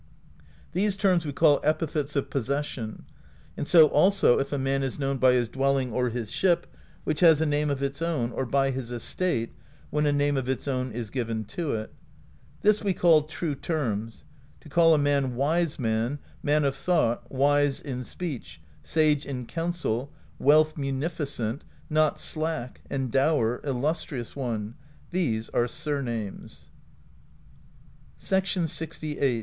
"These terms we call epithets of possession; and so also if a man is known by his dwelling or his ship, which has a name of its own, or by his estate, when a name of its own is given to it. " This we call true terms : to call a man Wise Man, Man of Thought, Wise in Speech, Sage in Counsel, Wealth Munificent, Not Slack, Endower, Illustrious One; these are surnames. LXVHI.